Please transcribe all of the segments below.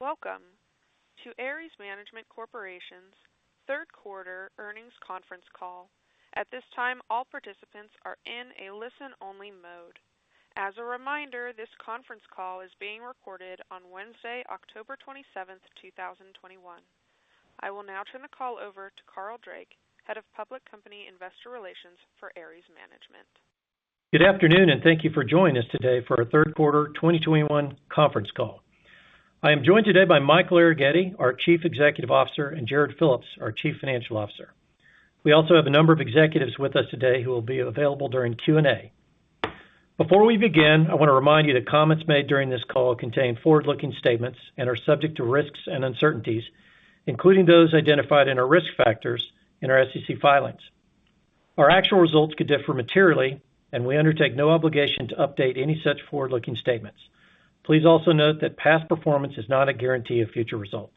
Welcome to Ares Management Corporation's Q3 earnings conference call. At this time, all participants are in a listen-only mode. As a reminder, this conference call is being recorded on Wednesday, October 27th 2021. I will now turn the call over to Carl Drake, Head of Public Company Investor Relations for Ares Management. Good afternoon, and thank you for joining us today for our Q3 2021 conference call. I am joined today by Michael Arougheti, our CEO, and Jarrod Phillips, our CFO. We also have a number of executives with us today who will be available during Q&A. Before we begin, I wanna remind you that comments made during this call contain forward-looking statements and are subject to risks and uncertainties, including those identified in our risk factors in our SEC filings. Our actual results could differ materially, and we undertake no obligation to update any such forward-looking statements. Please also note that past performance is not a guarantee of future results.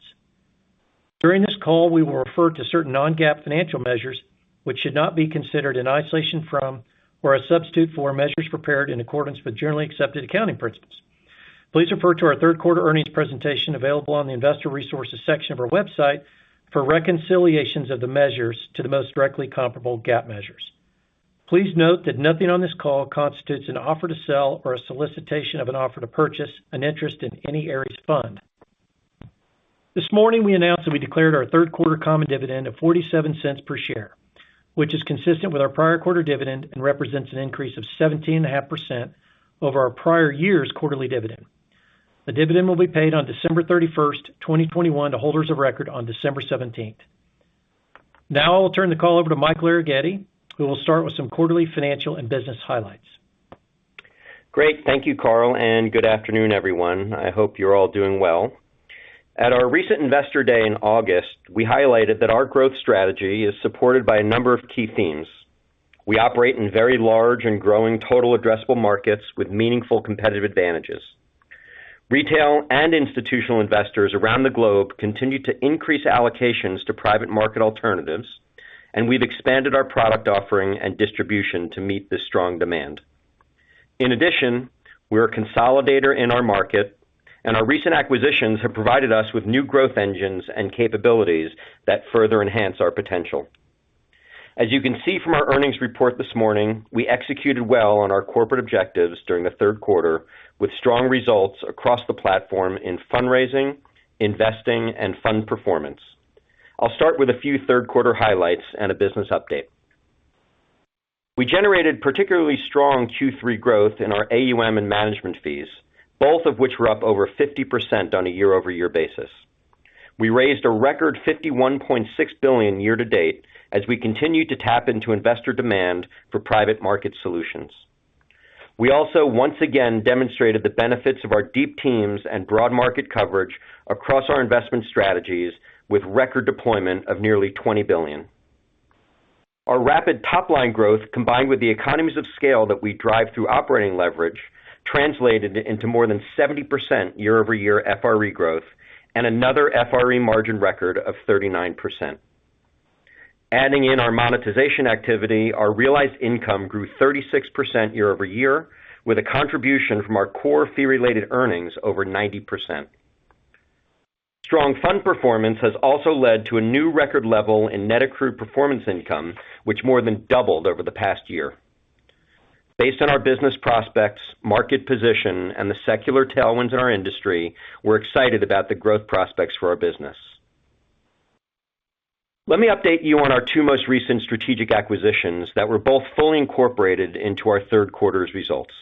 During this call, we will refer to certain non-GAAP financial measures, which should not be considered in isolation from or a substitute for measures prepared in accordance with generally accepted accounting principles. Please refer to our third quarter earnings presentation available on the investor resources section of our website for reconciliations of the measures to the most directly comparable GAAP measures. Please note that nothing on this call constitutes an offer to sell or a solicitation of an offer to purchase an interest in any Ares fund. This morning, we announced that we declared our third quarter common dividend of $0.47 per share, which is consistent with our prior quarter dividend and represents an increase of 17.5% over our prior year's quarterly dividend. The dividend will be paid on December 31, 2021 to holders of record on December 17th. Now I'll turn the call over to Michael Arougheti, who will start with some quarterly financial and business highlights. Great. Thank you, Carl, and good afternoon, everyone. I hope you're all doing well. At our recent Investor Day in August, we highlighted that our growth strategy is supported by a number of key themes. We operate in very large and growing total addressable markets with meaningful competitive advantages. Retail and institutional investors around the globe continue to increase allocations to private market alternatives, and we've expanded our product offering and distribution to meet the strong demand. In addition, we're a consolidator in our market, and our recent acquisitions have provided us with new growth engines and capabilities that further enhance our potential. As you can see from our earnings report this morning, we executed well on our corporate objectives during the Q3, with strong results across the platform in fundraising, investing, and fund performance. I'll start with a few Q3 highlights and a business update. We generated particularly strong Q3 growth in our AUM and management fees, both of which were up over 50% on a year-over-year basis. We raised a record $51.6 billion year to date as we continued to tap into investor demand for private market solutions. We also once again demonstrated the benefits of our deep teams and broad market coverage across our investment strategies with record deployment of nearly $20 billion. Our rapid top line growth, combined with the economies of scale that we drive through operating leverage, translated into more than 70% year-over-year FRE growth and another FRE margin record of 39%. Adding in our monetization activity, our realized income grew 36% year-over-year, with a contribution from our core fee related earnings over 90%. Strong fund performance has also led to a new record level in net accrued performance income, which more than doubled over the past year. Based on our business prospects, market position, and the secular tailwinds in our industry, we're excited about the growth prospects for our business. Let me update you on our two most recent strategic acquisitions that were both fully incorporated into our Q3's results,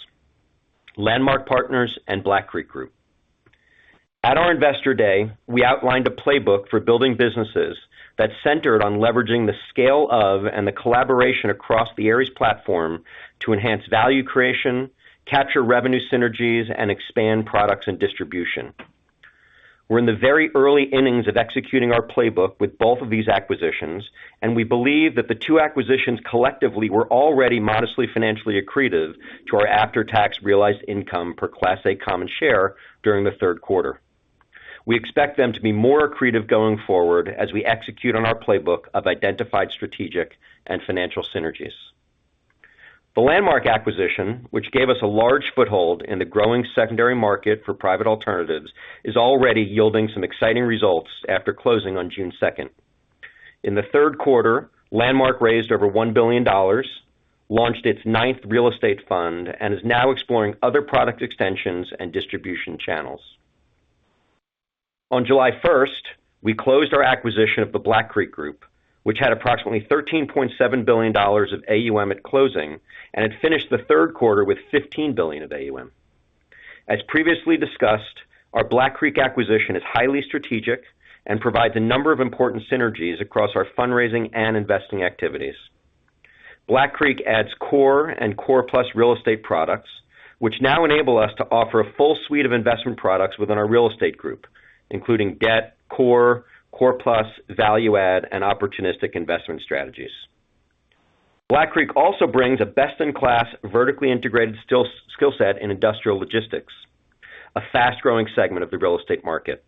Landmark Partners and Black Creek Group. At our Investor Day, we outlined a playbook for building businesses that centered on leveraging the scale of, and the collaboration across the Ares platform to enhance value creation, capture revenue synergies, and expand products and distribution. We're in the very early innings of executing our playbook with both of these acquisitions, and we believe that the two acquisitions collectively were already modestly financially accretive to our after-tax realized income per Class A common share during the third quarter. We expect them to be more accretive going forward as we execute on our playbook of identified strategic and financial synergies. The Landmark acquisition, which gave us a large foothold in the growing secondary market for private alternatives, is already yielding some exciting results after closing on June 2nd. In the Q3, Landmark raised over $1 billion, launched its ninth real estate fund, and is now exploring other product extensions and distribution channels. On July 1st, we closed our acquisition of the Black Creek Group, which had approximately $13.7 billion of AUM at closing and had finished the Q3 with $15 billion of AUM. As previously discussed, our Black Creek acquisition is highly strategic and provides a number of important synergies across our fundraising and investing activities. Black Creek adds core and core plus real estate products, which now enable us to offer a full suite of investment products within our real estate group, including debt, core plus, value add, and opportunistic investment strategies. Black Creek also brings a best in class, vertically integrated skills, skill set in industrial logistics, a fast-growing segment of the real estate market.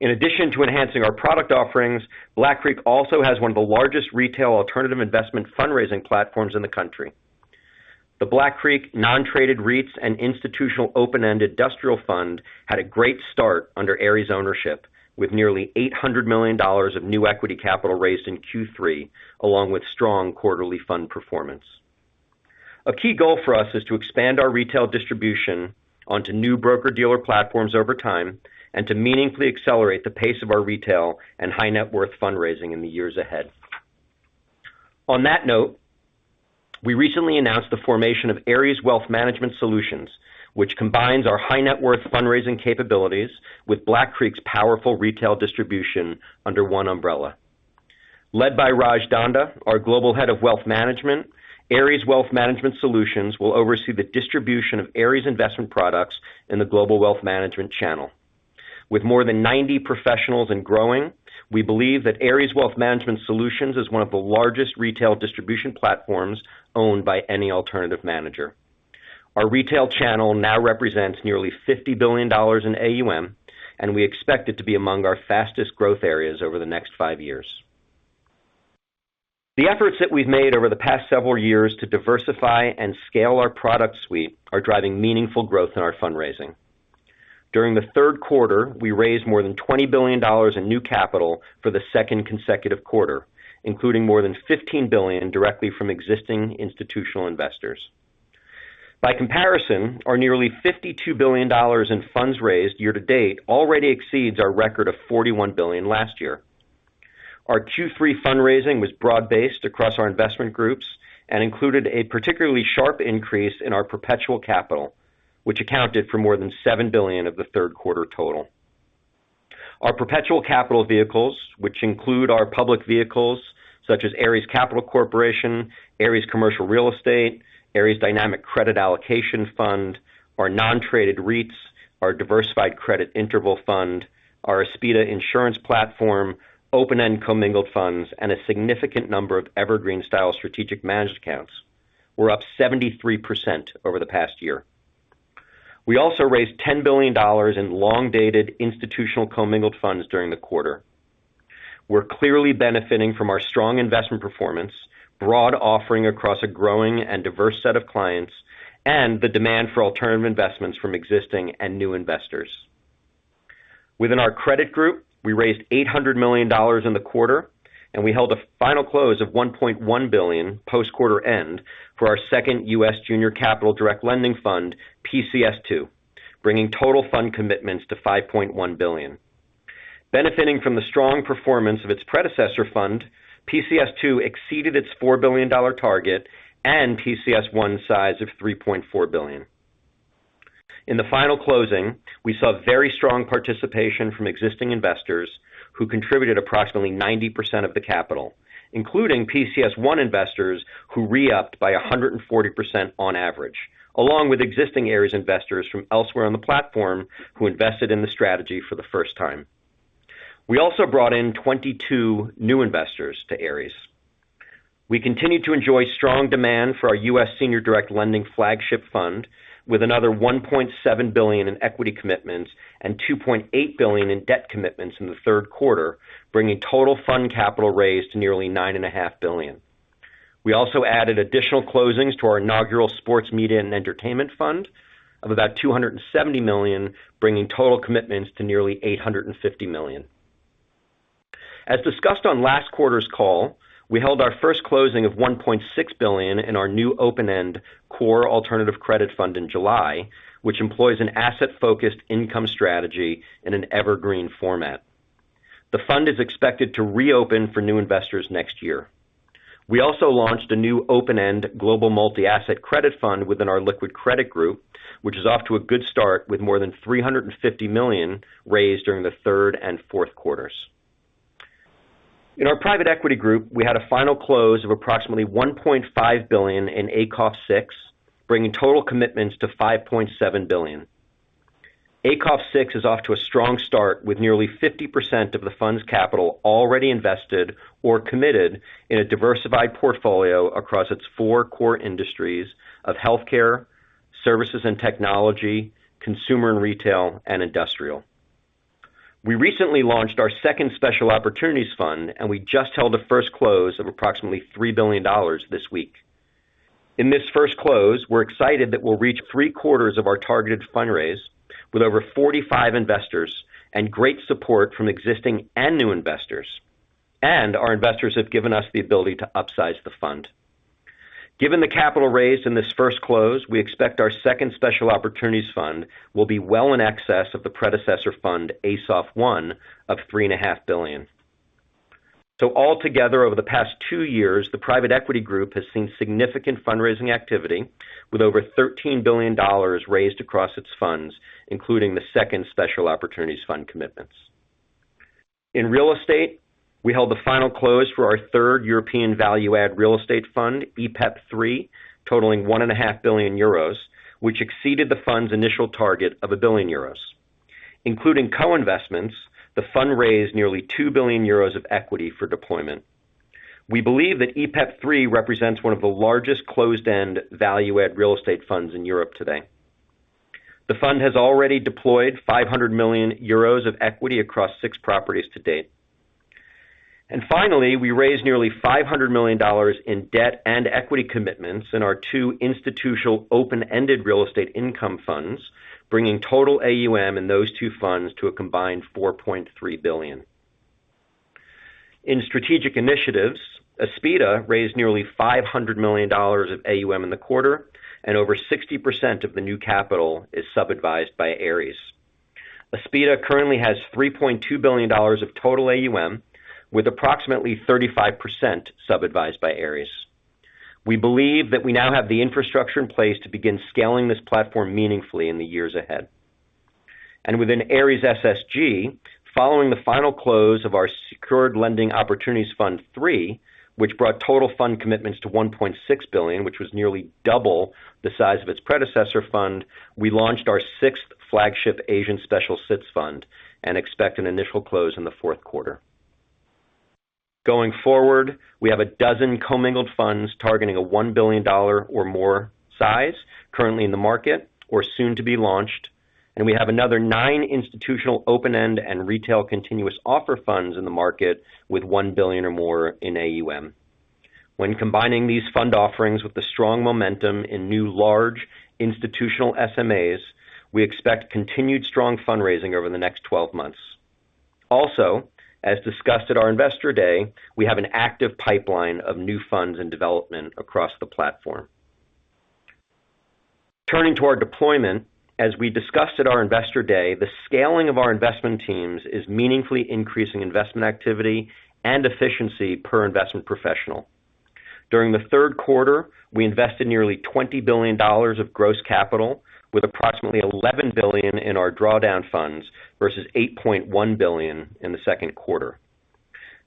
In addition to enhancing our product offerings, Black Creek also has one of the largest retail alternative investment fundraising platforms in the country. The Black Creek non-traded REITs and institutional open-end industrial fund had a great start under Ares ownership, with nearly $800 million of new equity capital raised in Q3, along with strong quarterly fund performance. A key goal for us is to expand our retail distribution onto new broker-dealer platforms over time and to meaningfully accelerate the pace of our retail and high net worth fundraising in the years ahead. On that note, we recently announced the formation of Ares Wealth Management Solutions, which combines our high net worth fundraising capabilities with Black Creek's powerful retail distribution under one umbrella. Led by Raj Dhanda, our Global Head of Wealth Management, Ares Wealth Management Solutions will oversee the distribution of Ares investment products in the global wealth management channel. With more than 90 professionals and growing, we believe that Ares Wealth Management Solutions is one of the largest retail distribution platforms owned by any alternative manager. Our retail channel now represents nearly $50 billion in AUM, and we expect it to be among our fastest growth areas over the next 5 years. The efforts that we've made over the past several years to diversify and scale our product suite are driving meaningful growth in our fundraising. During the third quarter, we raised more than $20 billion in new capital for the second consecutive quarter, including more than $15 billion directly from existing institutional investors. By comparison, our nearly $52 billion in funds raised year to date already exceeds our record of $41 billion last year. Our Q3 fundraising was broad-based across our investment groups and included a particularly sharp increase in our perpetual capital, which accounted for more than $7 billion of the third quarter total. Our perpetual capital vehicles, which include our public vehicles such as Ares Capital Corporation, Ares Commercial Real Estate, Ares Dynamic Credit Allocation Fund, our non-traded REITs, our diversified credit interval fund, our Aspida Insurance platform, open-end commingled funds, and a significant number of evergreen-style separately managed accounts, were up 73% over the past year. We also raised $10 billion in long-dated institutional commingled funds during the quarter. We're clearly benefiting from our strong investment performance, broad offering across a growing and diverse set of clients, and the demand for alternative investments from existing and new investors. Within our credit group, we raised $800 million in the quarter, and we held a final close of $1.1 billion post-quarter end for our second U.S. Junior Capital Direct Lending Fund, PCS II, bringing total fund commitments to $5.1 billion. Benefiting from the strong performance of its predecessor fund, PCS II exceeded its $4 billion target and PCS I size of $3.4 billion. In the final closing, we saw very strong participation from existing investors who contributed approximately 90% of the capital, including PCS I investors who re-upped by 140% on average, along with existing Ares investors from elsewhere on the platform who invested in the strategy for the first time. We also brought in 22 new investors to Ares. We continue to enjoy strong demand for our U.S. Senior Direct Lending flagship fund, with another $1.7 billion in equity commitments and $2.8 billion in debt commitments in the Q3, bringing total fund capital raised to nearly $9.5 billion. We also added additional closings to our inaugural Sports Media and Entertainment fund of about $270 million, bringing total commitments to nearly $850 million. As discussed on last quarter's call, we held our first closing of $1.6 billion in our new open-end core alternative credit fund in July, which employs an asset-focused income strategy in an evergreen format. The fund is expected to reopen for new investors next year. We also launched a new open-end global multi-asset credit fund within our liquid credit group, which is off to a good start with more than $350 million raised during the third and fourth quarters. In our private equity group, we had a final close of approximately $1.5 billion in ACoF VI, bringing total commitments to $5.7 billion. ACoF VI is off to a strong start, with nearly 50% of the fund's capital already invested or committed in a diversified portfolio across its four core industries of healthcare, services and technology, consumer and retail, and industrial. We recently launched our second Special Opportunities Fund, and we just held the first close of approximately $3 billion this week. In this first close, we're excited that we'll reach three-quarters of our targeted fundraise with over 45 investors and great support from existing and new investors, and our investors have given us the ability to upsize the fund. Given the capital raised in this first close, we expect our second Special Opportunities Fund will be well in excess of the predecessor fund, ASoF I, of $3.5 billion. Altogether, over the past two years, the private equity group has seen significant fundraising activity, with over $13 billion raised across its funds, including the second Special Opportunities Fund commitments. In real estate, we held the final close for our third European value-add real estate fund, EPeP III, totaling 1.5 billion euros, which exceeded the fund's initial target of 1 billion euros. Including co-investments, the fund raised nearly 2 billion euros of equity for deployment. We believe that EPEP III represents one of the largest closed-end value-add real estate funds in Europe today. The fund has already deployed 500 million euros of equity across six properties to date. Finally, we raised nearly $500 million in debt and equity commitments in our two institutional open-ended real estate income funds, bringing total AUM in those two funds to a combined $4.3 billion. In strategic initiatives, Aspida raised nearly $500 million of AUM in the quarter, and over 60% of the new capital is sub-advised by Ares. Aspida currently has $3.2 billion of total AUM, with approximately 35% sub-advised by Ares. We believe that we now have the infrastructure in place to begin scaling this platform meaningfully in the years ahead. Within Ares SSG, following the final close of our Secured Lending Opportunities Fund III, which brought total fund commitments to $1.6 billion, which was nearly double the size of its predecessor fund, we launched our sixth flagship Asian Special Situations Fund and expect an initial close in the Q4. Going forward, we have a dozen commingled funds targeting a $1 billion or more size currently in the market or soon to be launched, and we have another nine institutional open-end and retail continuous offer funds in the market with $1 billion or more in AUM. When combining these fund offerings with the strong momentum in new large institutional SMAs, we expect continued strong fundraising over the next 12 months. Also, as discussed at our Investor Day, we have an active pipeline of new funds in development across the platform. Turning to our deployment, as we discussed at our Investor Day, the scaling of our investment teams is meaningfully increasing investment activity and efficiency per investment professional. During the Q3, we invested nearly $20 billion of gross capital with approximately $11 billion in our drawdown funds versus $8.1 billion in the Q2.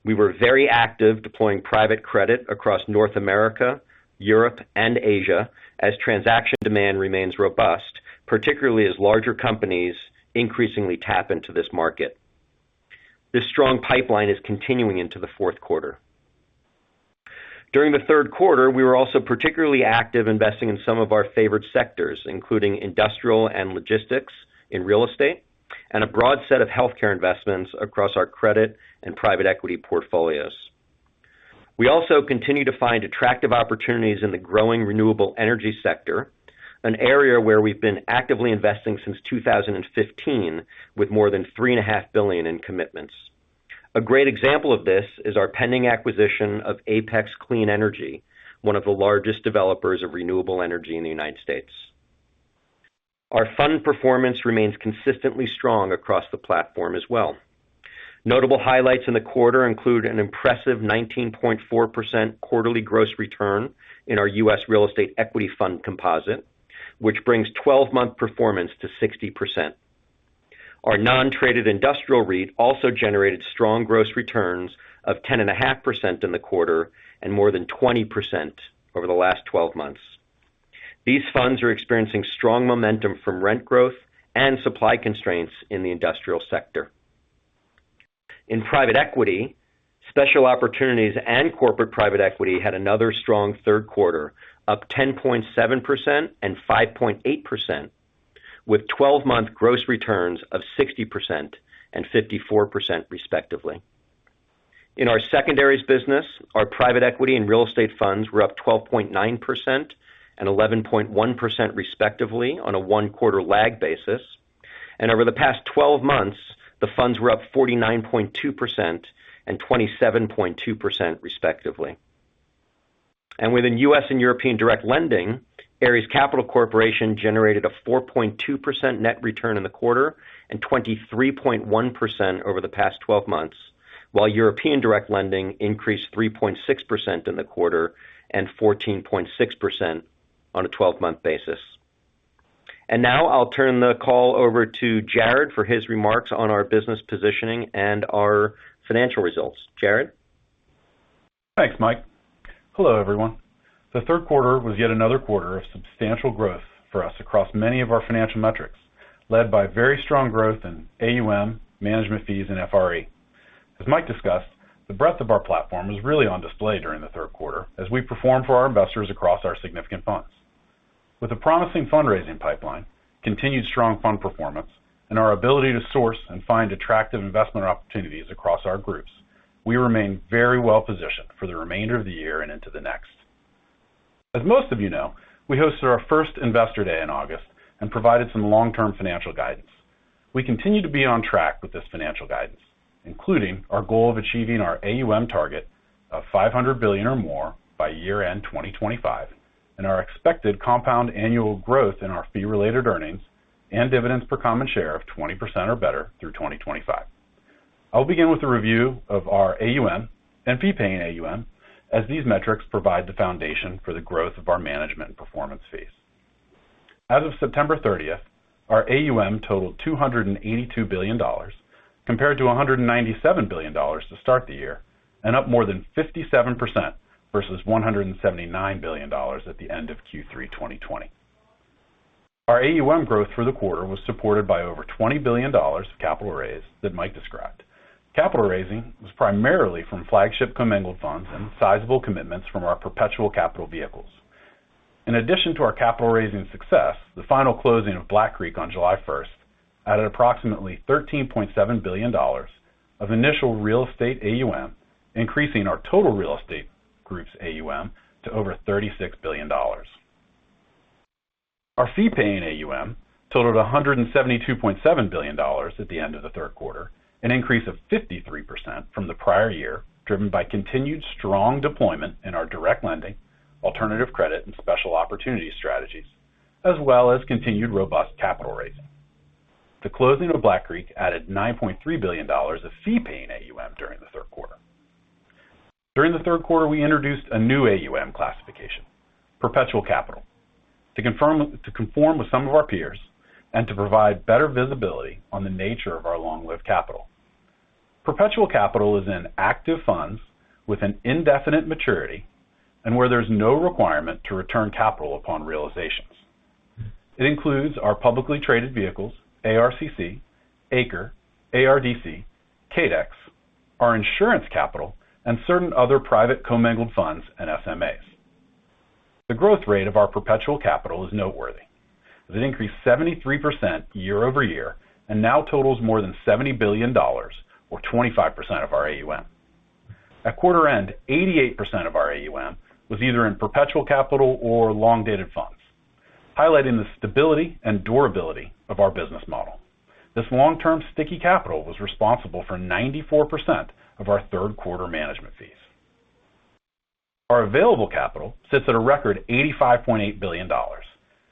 We were very active deploying private credit across North America, Europe, and Asia as transaction demand remains robust, particularly as larger companies increasingly tap into this market. This strong pipeline is continuing into the Q4. During the Q3, we were also particularly active investing in some of our favorite sectors, including industrial and logistics in real estate, and a broad set of healthcare investments across our credit and private equity portfolios. We also continue to find attractive opportunities in the growing renewable energy sector, an area where we've been actively investing since 2015 with more than $3.5 billion in commitments. A great example of this is our pending acquisition of Apex Clean Energy, one of the largest developers of renewable energy in the United States. Our fund performance remains consistently strong across the platform as well. Notable highlights in the quarter include an impressive 19.4% quarterly gross return in our U.S. Real Estate Equity Fund composite, which brings 12-month performance to 60%. Our non-traded industrial REIT also generated strong gross returns of 10.5% in the quarter and more than 20% over the last 12 months. These funds are experiencing strong momentum from rent growth and supply constraints in the industrial sector. In private equity, special opportunities and corporate private equity had another strong Q3, up 10.7% and 5.8%, with twelve-month gross returns of 60% and 54% respectively. In our secondaries business, our private equity and real estate funds were up 12.9% and 11.1% respectively on a one-quarter lag basis. Over the past twelve months, the funds were up 49.2% and 27.2% respectively. Within U.S. and European direct lending, Ares Capital Corporation generated a 4.2% net return in the quarter and 23.1% over the past twelve months, while European direct lending increased 3.6% in the quarter and 14.6% on a twelve-month basis. Now I'll turn the call over to Jarrod for his remarks on our business positioning and our financial results. Jarrod? Thanks, Mike. Hello, everyone. The Q3 was yet another quarter of substantial growth for us across many of our financial metrics, led by very strong growth in AUM, management fees and FRE. As Mike discussed, the breadth of our platform was really on display during the Q3 as we performed for our investors across our significant funds. With a promising fundraising pipeline, continued strong fund performance, and our ability to source and find attractive investment opportunities across our groups, we remain very well positioned for the remainder of the year and into the next. As most of you know, we hosted our first Investor Day in August and provided some long-term financial guidance. We continue to be on track with this financial guidance, including our goal of achieving our AUM target of $500 billion or more by year-end 2025, and our expected compound annual growth in our fee related earnings and dividends per common share of 20% or better through 2025. I'll begin with a review of our AUM and fee paying AUM as these metrics provide the foundation for the growth of our management performance fees. As of September 30, our AUM totaled $282 billion, compared to $197 billion to start the year, and up more than 57% versus $179 billion at the end of Q3 2020. Our AUM growth through the quarter was supported by over $20 billion of capital raise that Mike described. Capital raising was primarily from flagship commingled funds and sizable commitments from our perpetual capital vehicles. In addition to our capital raising success, the final closing of Black Creek Group on July 1 added approximately $13.7 billion of initial real estate AUM, increasing our total real estate group's AUM to over $36 billion. Our fee-paying AUM totaled $172.7 billion at the end of the third quarter, an increase of 53% from the prior year, driven by continued strong deployment in our direct lending, alternative credit, and special opportunity strategies, as well as continued robust capital raising. The closing of Black Creek Group added $9.3 billion of fee-paying AUM during the Q3. During the Q3, we introduced a new AUM classification, perpetual capital, to conform with some of our peers and to provide better visibility on the nature of our long-lived capital. Perpetual capital is in active funds with an indefinite maturity and where there's no requirement to return capital upon realizations. It includes our publicly traded vehicles, ARCC, ACRE, ARDC, CADC, our insurance capital, and certain other private commingled funds and SMAs. The growth rate of our perpetual capital is noteworthy, as it increased 73% year-over-year and now totals more than $70 billion or 25% of our AUM. At quarter end, 88% of our AUM was either in perpetual capital or long-dated funds, highlighting the stability and durability of our business model. This long-term sticky capital was responsible for 94% of our third quarter management fees. Our available capital sits at a record $85.8 billion.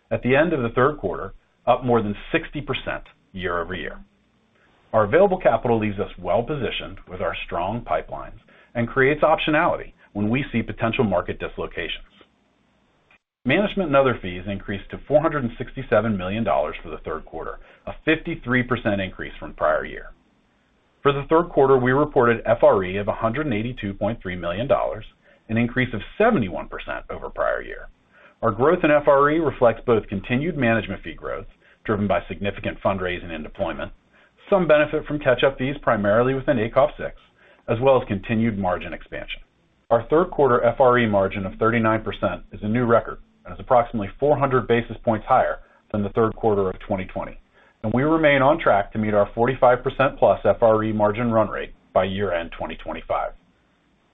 At the end of the Q3, up more than 60% year-over-year. Our available capital leaves us well-positioned with our strong pipelines and creates optionality when we see potential market dislocations. Management and other fees increased to $467 million for the Q3, a 53% increase from prior year. For the Q3, we reported FRE of $182.3 million, an increase of 71% over prior year. Our growth in FRE reflects both continued management fee growth driven by significant fundraising and deployment, some benefit from catch-up fees primarily within ACOF VI, as well as continued margin expansion. Our third quarter FRE margin of 39% is a new record and is approximately 400 basis points higher than the Q3 of 2020. We remain on track to meet our 45%+ FRE margin run rate by year-end 2025.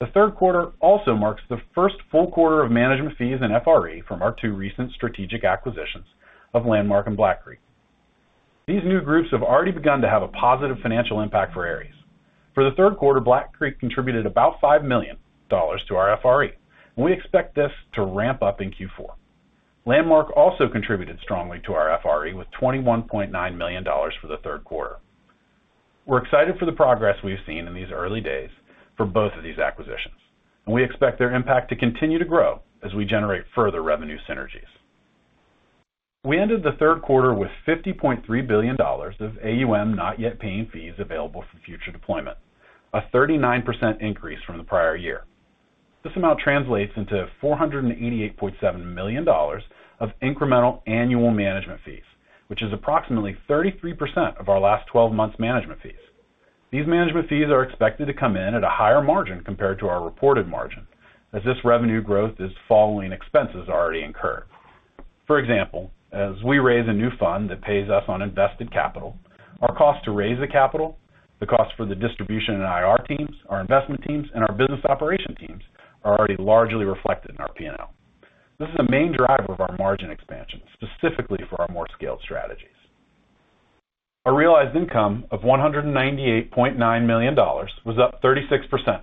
The Q3 also marks the first full quarter of management fees and FRE from our two recent strategic acquisitions of Landmark and Black Creek. These new groups have already begun to have a positive financial impact for Ares. For the Q3, Black Creek contributed about $5 million to our FRE, and we expect this to ramp up in Q4. Landmark also contributed strongly to our FRE with $21.9 million for the Q3. We're excited for the progress we've seen in these early days for both of these acquisitions, and we expect their impact to continue to grow as we generate further revenue synergies. We ended the Q3 with $50.3 billion of AUM not yet paying fees available for future deployment, a 39% increase from the prior year. This amount translates into $488.7 million of incremental annual management fees, which is approximately 33% of our last twelve months management fees. These management fees are expected to come in at a higher margin compared to our reported margin, as this revenue growth is following expenses already incurred. For example, as we raise a new fund that pays us on invested capital, our cost to raise the capital, the cost for the distribution and IR teams, our investment teams, and our business operation teams are already largely reflected in our P&L. This is a main driver of our margin expansion, specifically for our more scaled strategies. Our realized income of $198.9 million was up 36%,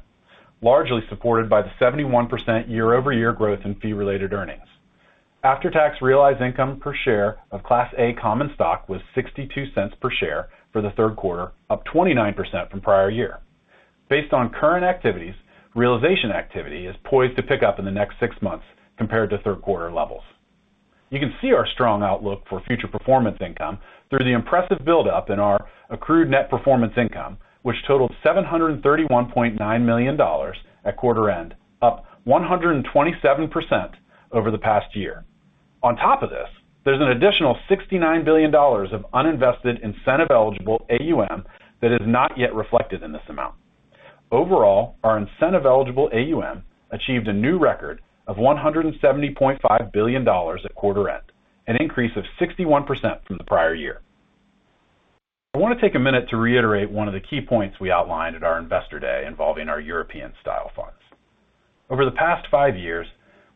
largely supported by the 71% year-over-year growth in fee-related earnings. After-tax realized income per share of Class A common stock was $0.62 per share for the Q3, up 29% from prior year. Based on current activities, realization activity is poised to pick up in the next 6 months compared to Q3 levels. You can see our strong outlook for future performance income through the impressive buildup in our accrued net performance income, which totaled $731.9 million at quarter end, up 127% over the past year. On top of this, there's an additional $69 billion of uninvested incentive-eligible AUM that is not yet reflected in this amount. Overall, our incentive-eligible AUM achieved a new record of $170.5 billion at quarter end, an increase of 61% from the prior year. I want to take a minute to reiterate one of the key points we outlined at our Investor Day involving our European-style funds. Over the past five years,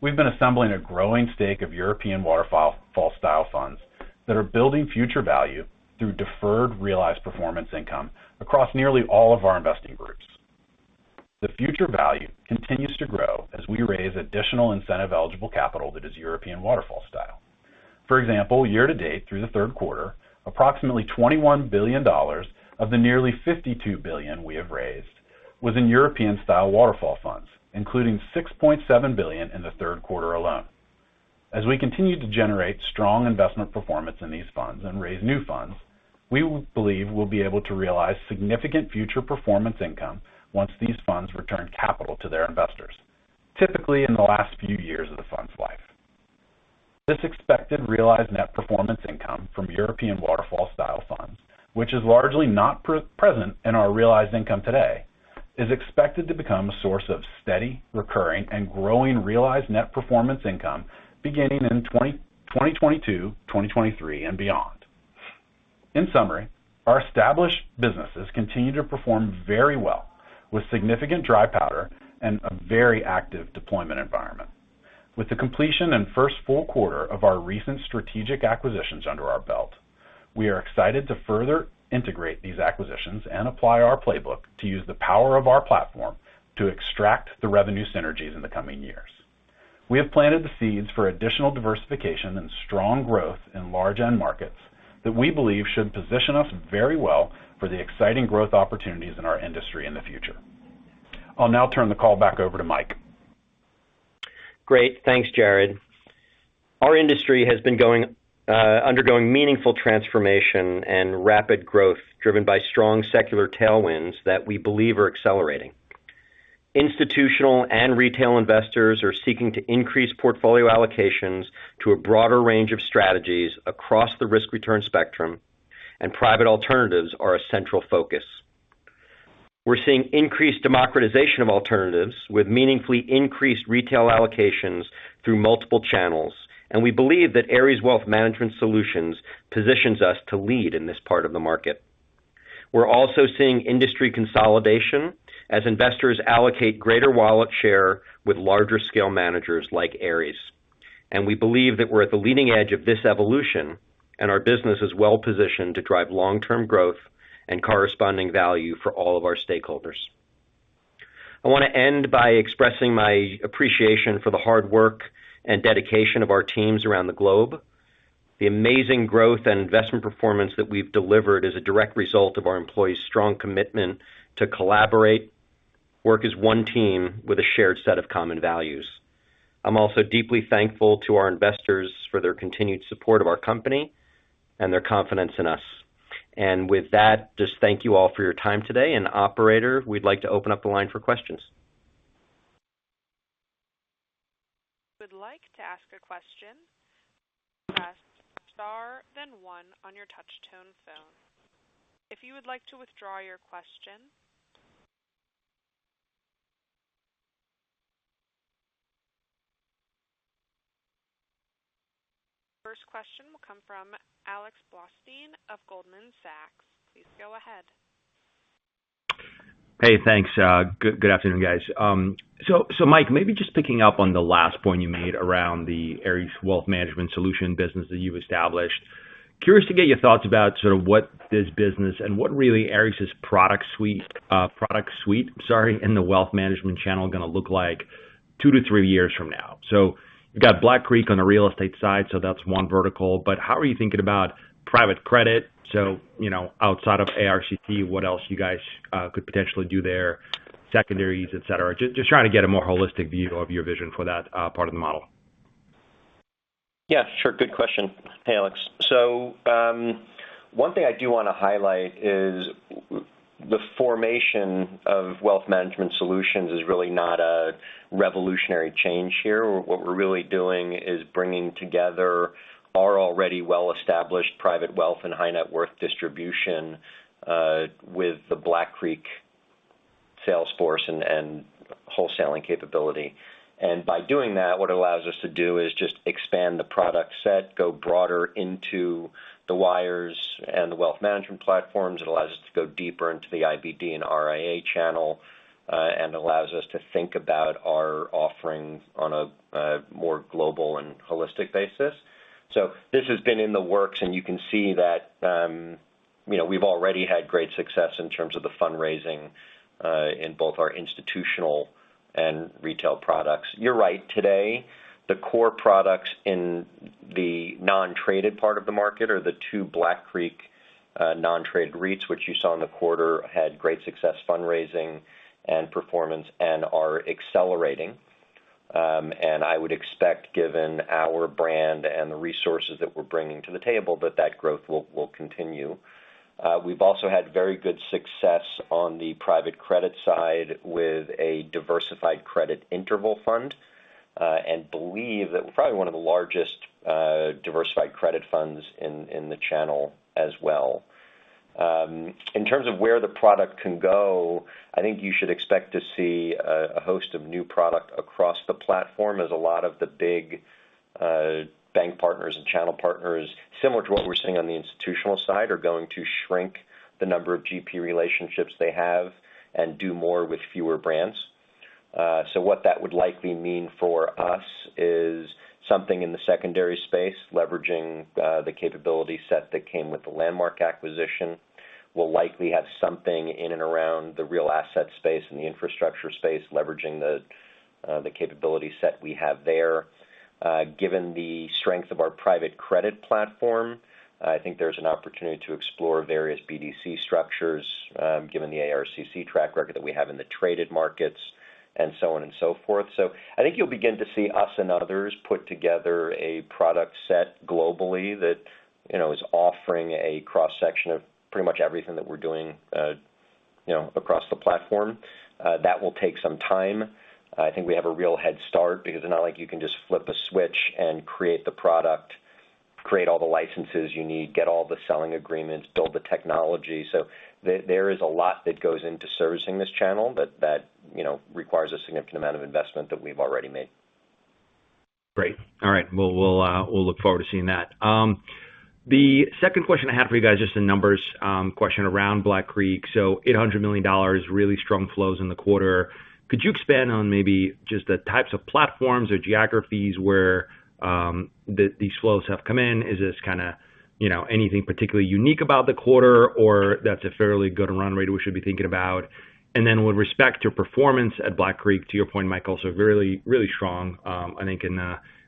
we've been assembling a growing stake of European waterfall-style funds that are building future value through deferred realized performance income across nearly all of our investing groups. The future value continues to grow as we raise additional incentive-eligible capital that is European waterfall style. For example, year to date through the Q3, approximately $21 billion of the nearly $52 billion we have raised was in European style waterfall funds, including $6.7 billion in the Q alone. As we continue to generate strong investment performance in these funds and raise new funds, we believe we'll be able to realize significant future performance income once these funds return capital to their investors typically in the last few years of the fund's life. This expected realized net performance income from European waterfall style funds, which is largely not present in our realized income today, is expected to become a source of steady, recurring, and growing realized net performance income beginning in 2022, 2023, and beyond. In summary, our established businesses continue to perform very well with significant dry powder and a very active deployment environment. With the completion and first full quarter of our recent strategic acquisitions under our belt, we are excited to further integrate these acquisitions and apply our playbook to use the power of our platform to extract the revenue synergies in the coming years. We have planted the seeds for additional diversification and strong growth in large end markets that we believe should position us very well for the exciting growth opportunities in our industry in the future. I'll now turn the call back over to Mike. Great. Thanks, Jarrod. Our industry has been undergoing meaningful transformation and rapid growth driven by strong secular tailwinds that we believe are accelerating. Institutional and retail investors are seeking to increase portfolio allocations to a broader range of strategies across the risk return spectrum, and private alternatives are a central focus. We're seeing increased democratization of alternatives with meaningfully increased retail allocations through multiple channels, and we believe that Ares Wealth Management Solutions positions us to lead in this part of the market. We're also seeing industry consolidation as investors allocate greater wallet share with larger scale managers like Ares. We believe that we're at the leading edge of this evolution, and our business is well positioned to drive long-term growth and corresponding value for all of our stakeholders. I want to end by expressing my appreciation for the hard work and dedication of our teams around the globe. The amazing growth and investment performance that we've delivered is a direct result of our employees' strong commitment to collaborate, work as one team with a shared set of common values. I'm also deeply thankful to our investors for their continued support of our company and their confidence in us. With that, just thank you all for your time today. Operator, we'd like to open up the line for questions. If you would like to ask a question, press star then one on your touch tone phone. If you would like to withdraw your question. First question will come from Alexander Blostein of Goldman Sachs. Please go ahead. Hey, thanks. Good afternoon, guys. So Mike, maybe just picking up on the last point you made around the Ares Wealth Management Solutions business that you've established. Curious to get your thoughts about sort of what this business and what really Ares' product suite, sorry, in the wealth management channel gonna look like two to three years from now. So you've got Black Creek on the real estate side, so that's one vertical. But how are you thinking about private credit? So, you know, outside of ARCC, what else you guys could potentially do there, secondaries, et cetera. Just trying to get a more holistic view of your vision for that, part of the model. Yeah, sure. Good question. Hey, Alex. One thing I do wanna highlight is the formation of Wealth Management Solutions is really not a revolutionary change here. What we're really doing is bringing together our already well-established private wealth and high net worth distribution with the Black Creek sales force and wholesaling capability. By doing that, what it allows us to do is just expand the product set, go broader into the wires and the wealth management platforms. It allows us to go deeper into the IBD and RIA channel and allows us to think about our offerings on a more global and holistic basis. This has been in the works, and you can see that, you know, we've already had great success in terms of the fundraising in both our institutional and retail products. You're right. Today, the core products in the non-traded part of the market are the two Black Creek non-traded REITs, which you saw in the quarter, had great success fundraising and performance and are accelerating. I would expect, given our brand and the resources that we're bringing to the table, that growth will continue. We've also had very good success on the private credit side with a diversified credit interval fund, and believe that we're probably one of the largest diversified credit funds in the channel as well. In terms of where the product can go, I think you should expect to see a host of new product across the platform as a lot of the big bank partners and channel partners, similar to what we're seeing on the institutional side, are going to shrink the number of GP relationships they have and do more with fewer brands. What that would likely mean for us is something in the secondary space, leveraging the capability set that came with the Landmark acquisition. We'll likely have something in and around the real asset space and the infrastructure space, leveraging the capability set we have there. Given the strength of our private credit platform, I think there's an opportunity to explore various BDC structures, given the ARCC track record that we have in the traded markets and so on and so forth. I think you'll begin to see us and others put together a product set globally that, you know, is offering a cross-section of pretty much everything that we're doing, you know, across the platform. That will take some time. I think we have a real head start because it's not like you can just flip a switch and create all the licenses you need, get all the selling agreements, build the technology. There is a lot that goes into servicing this channel, but that, you know, requires a significant amount of investment that we've already made. Great. All right. Well, we'll look forward to seeing that. The second question I have for you guys is just a numbers question around Black Creek. So $800 million, really strong flows in the quarter. Could you expand on maybe just the types of platforms or geographies where these flows have come in? Is this kind of, you know, anything particularly unique about the quarter, or that's a fairly good run rate we should be thinking about? And then with respect to performance at Black Creek, to your point, Mike, also really, really strong, I think in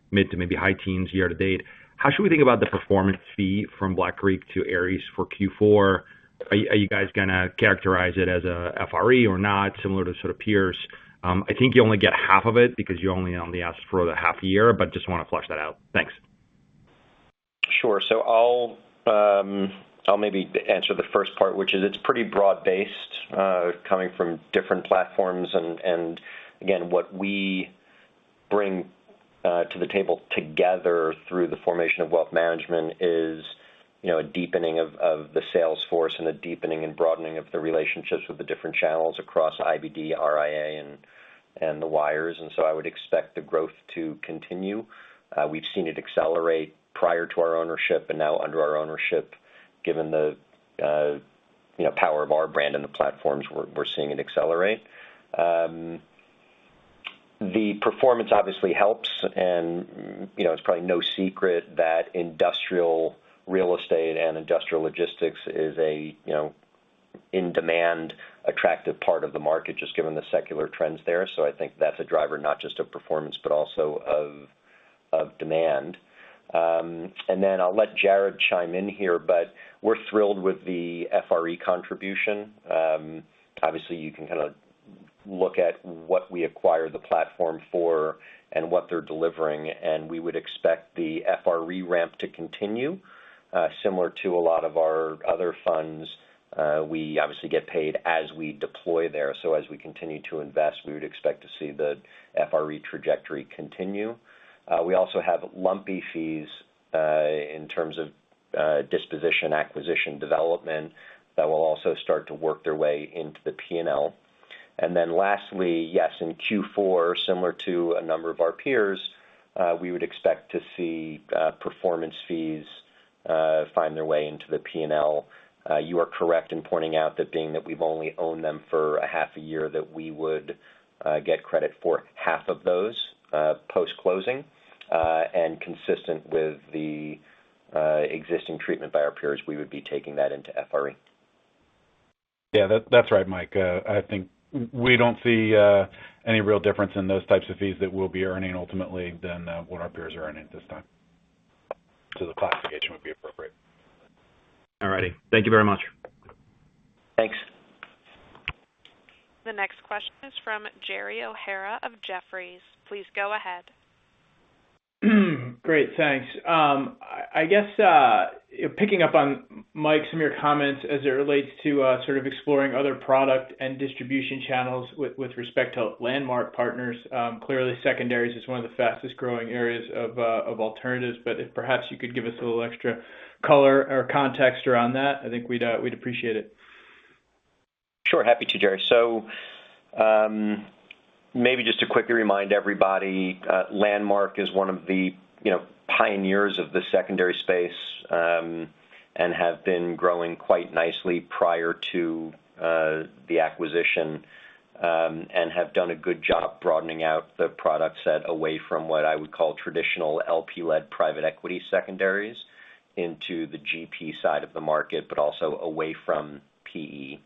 mid to maybe high teens year to date. How should we think about the performance fee from Black Creek to Ares for Q4? Are you guys gonna characterize it as a FRE or not, similar to sort of peers? I think you only get half of it because you only own the assets for the half year, but just wanna flush that out. Thanks. Sure. I'll maybe answer the first part, which is it's pretty broad-based, coming from different platforms. Again, what we bring to the table together through the formation of wealth management is, you know, a deepening of the sales force and a deepening and broadening of the relationships with the different channels across IBD, RIA, and the wires. I would expect the growth to continue. We've seen it accelerate prior to our ownership, and now under our ownership, given the, you know, power of our brand and the platforms, we're seeing it accelerate. The performance obviously helps. You know, it's probably no secret that industrial real estate and industrial logistics is a, you know, in demand, attractive part of the market, just given the secular trends there. I think that's a driver not just of performance, but also of demand. I'll let Jarod chime in here, but we're thrilled with the FRE contribution. Obviously, you can kind of look at what we acquired the platform for and what they're delivering, and we would expect the FRE ramp to continue. Similar to a lot of our other funds, we obviously get paid as we deploy there. As we continue to invest, we would expect to see the FRE trajectory continue. We also have lumpy fees in terms of disposition, acquisition development that will also start to work their way into the P&L. Lastly, yes, in Q4, similar to a number of our peers, we would expect to see performance fees find their way into the P&L. You are correct in pointing out that we've only owned them for half a year, that we would get credit for half of those post-closing. Consistent with the existing treatment by our peers, we would be taking that into FRE. Yeah. That's right, Mike. I think we don't see any real difference in those types of fees that we'll be earning ultimately than what our peers are earning at this time. The classification would be appropriate. All righty. Thank you very much. Thanks. The next question is from Gerald O'Hara of Jefferies. Please go ahead. Great, thanks. I guess picking up on, Mike, some of your comments as it relates to sort of exploring other product and distribution channels with respect to Landmark Partners. Clearly secondaries is one of the fastest growing areas of alternatives, but if perhaps you could give us a little extra color or context around that, I think we'd appreciate it. Sure. Happy to, Jerry. Maybe just to quickly remind everybody, Landmark is one of the, you know, pioneers of the secondary space, and have been growing quite nicely prior to the acquisition, and have done a good job broadening out the product set away from what I would call traditional LP-led private equity secondaries into the GP side of the market, but also away from PE.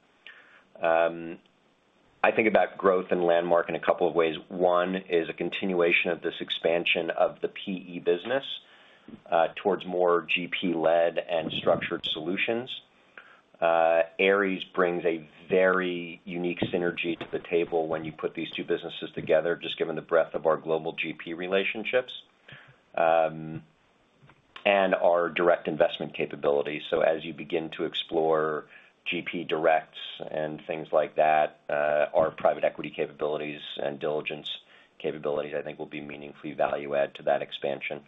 I think about growth in Landmark in a couple of ways. One is a continuation of this expansion of the PE business towards more GP-led and structured solutions. Ares brings a very unique synergy to the table when you put these two businesses together, just given the breadth of our global GP relationships, and our direct investment capabilities. As you begin to explore GP directs and things like that, our private equity capabilities and diligence capabilities, I think will be meaningfully value add to that expansion.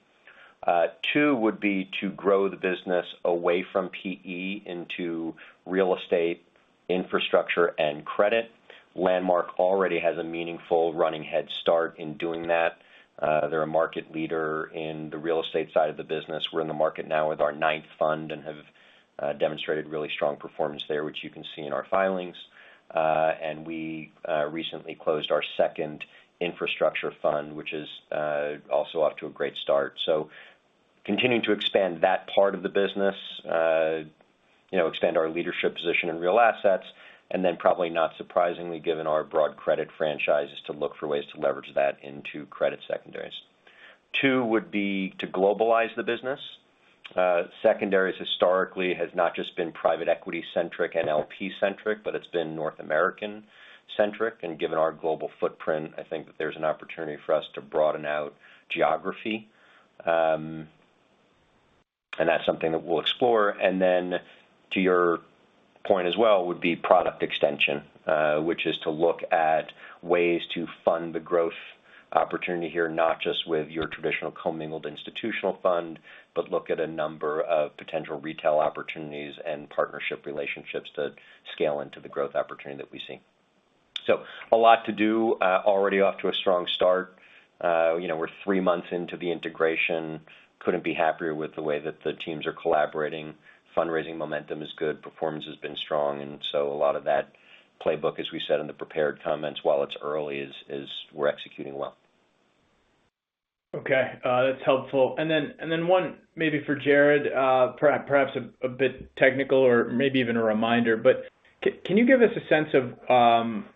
Two would be to grow the business away from PE into real estate, infrastructure, and credit. Landmark already has a meaningful running head start in doing that. They're a market leader in the real estate side of the business. We're in the market now with our ninth fund and have demonstrated really strong performance there, which you can see in our filings. We recently closed our second infrastructure fund, which is also off to a great start. Continuing to expand that part of the business, you know, expand our leadership position in real assets, and then probably not surprisingly, given our broad credit franchise, is to look for ways to leverage that into credit secondaries. Two would be to globalize the business. Secondaries historically has not just been private equity centric and LP centric, but it's been North American centric. Given our global footprint, I think that there's an opportunity for us to broaden out geography. That's something that we'll explore. Then to your point as well would be product extension, which is to look at ways to fund the growth opportunity here, not just with your traditional commingled institutional fund, but look at a number of potential retail opportunities and partnership relationships to scale into the growth opportunity that we see. A lot to do, already off to a strong start. You know, we're three months into the integration. Couldn't be happier with the way that the teams are collaborating. Fundraising momentum is good, performance has been strong, and a lot of that playbook, as we said in the prepared comments, while it's early, is we're executing well. Okay. That's helpful. One maybe for Jarod, perhaps a bit technical or maybe even a reminder, but can you give us a sense of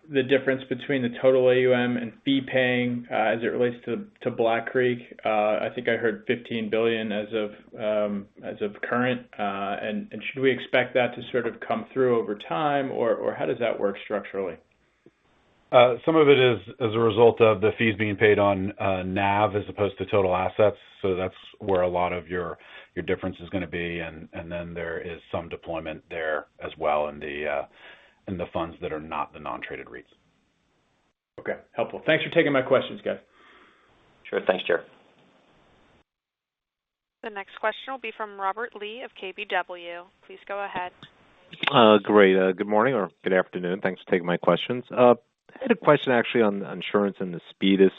the difference between the total AUM and fee paying as it relates to Black Creek? I think I heard $15 billion as of current. Should we expect that to sort of come through over time, or how does that work structurally? Some of it is as a result of the fees being paid on NAV as opposed to total assets, so that's where a lot of your difference is gonna be. There is some deployment there as well in the funds that are not the non-traded REITs. Okay. Helpful. Thanks for taking my questions, guys. Sure. Thanks, Gerald. The next question will be from Robert Lee of KBW. Please go ahead. Great. Good morning or good afternoon. Thanks for taking my questions. I had a question actually on insurance and Aspida.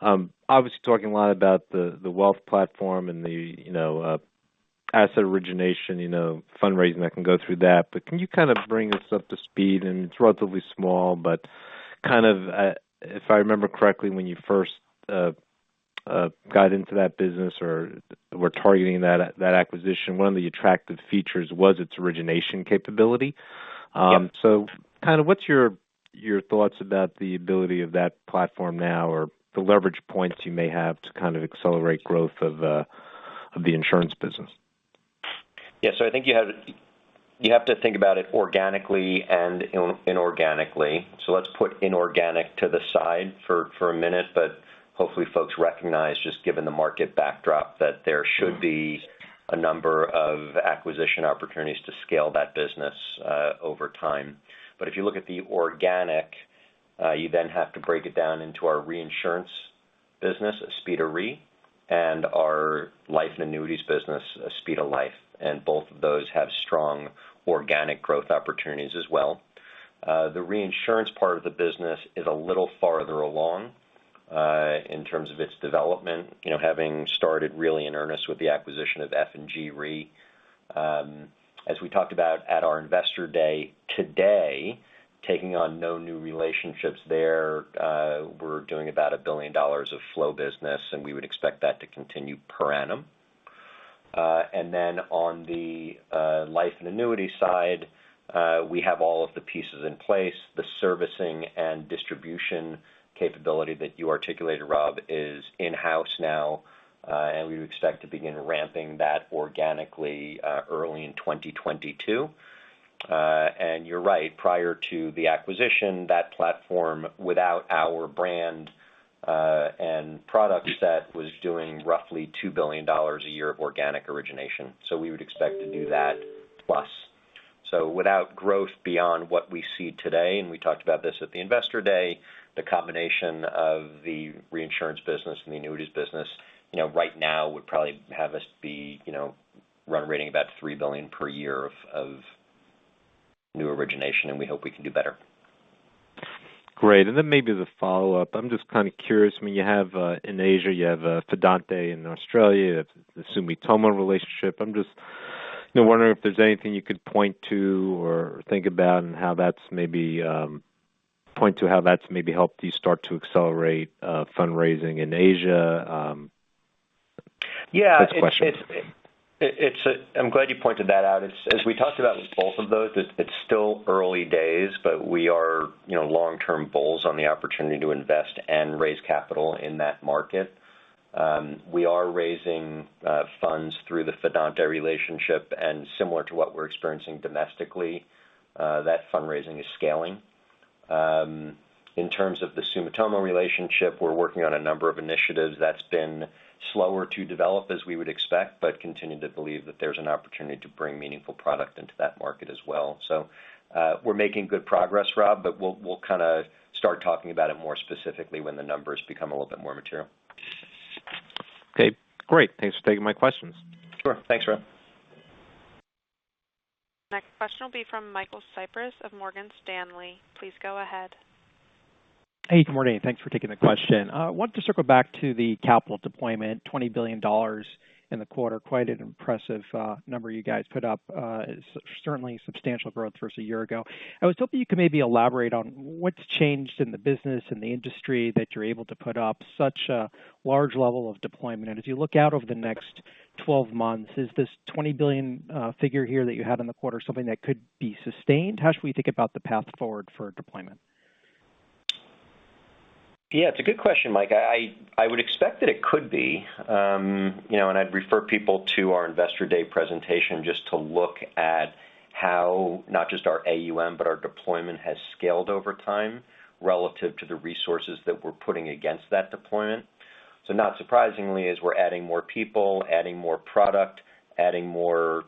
Obviously talking a lot about the wealth platform and, you know, asset origination, you know, fundraising that can go through that. Can you kind of bring us up to speed, and it's relatively small, but kind of if I remember correctly, when you first got into that business or were targeting that acquisition, one of the attractive features was its origination capability. Yep. Kind of, what's your thoughts about the ability of that platform now or the leverage points you may have to kind of accelerate growth of the insurance business? Yeah. I think you have to think about it organically and inorganically. Let's put inorganic to the side for a minute, but hopefully folks recognize, just given the market backdrop, that there should be a number of acquisition opportunities to scale that business over time. If you look at the organic, you then have to break it down into our reinsurance business, Aspida Re, and our life and annuities business, Aspida Life, and both of those have strong organic growth opportunities as well. The reinsurance part of the business is a little farther along in terms of its development, you know, having started really in earnest with the acquisition of F&G Re. As we talked about at our Investor Day today, taking on no new relationships there, we're doing about $1 billion of flow business, and we would expect that to continue per annum. On the life and annuity side, we have all of the pieces in place. The servicing and distribution capability that you articulated, Rob, is in-house now, and we would expect to begin ramping that organically early in 2022. You're right, prior to the acquisition, that platform without our brand and product set was doing roughly $2 billion a year of organic origination, so we would expect to do that plus. Without growth beyond what we see today, and we talked about this at the Investor Day, the combination of the reinsurance business and the annuities business, you know, right now would probably have us be, you know, run rate about $3 billion per year of new origination, and we hope we can do better. Great. Then maybe the follow-up. I'm just kind of curious. I mean, you have in Asia, you have Fidante in Australia, you have the Sumitomo relationship. I'm just wondering if there's anything you could point to or think about and how that's maybe helped you start to accelerate fundraising in Asia. Yeah. First question. I'm glad you pointed that out. As we talked about with both of those, it's still early days, but we are, you know, long-term bulls on the opportunity to invest and raise capital in that market. We are raising funds through the Fidante relationship, and similar to what we're experiencing domestically, that fundraising is scaling. In terms of the Sumitomo relationship, we're working on a number of initiatives that's been slower to develop as we would expect, but continue to believe that there's an opportunity to bring meaningful product into that market as well. We're making good progress, Rob, but we'll kind of start talking about it more specifically when the numbers become a little bit more material. Okay, great. Thanks for taking my questions. Sure. Thanks, Rob. Next question will be from Michael Cyprys of Morgan Stanley. Please go ahead. Hey, good morning. Thanks for taking the question. Wanted to circle back to the capital deployment, $20 billion in the quarter. Quite an impressive number you guys put up. Certainly substantial growth versus a year ago. I was hoping you could maybe elaborate on what's changed in the business and the industry that you're able to put up such a large level of deployment. As you look out over the next 12 months, is this $20 billion figure here that you had in the quarter something that could be sustained? How should we think about the path forward for deployment? Yeah, it's a good question, Mike. I would expect that it could be. You know, I'd refer people to our Investor Day presentation just to look at how not just our AUM, but our deployment has scaled over time relative to the resources that we're putting against that deployment. Not surprisingly, as we're adding more people, adding more product, adding more